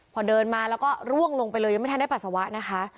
พอเดินมาแล้วก็ร่วงลงไปเลยยังไม่ทันได้ปัสสาวะนะคะ